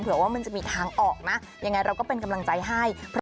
ว่ามันจะมีทางออกนะยังไงเราก็เป็นกำลังใจให้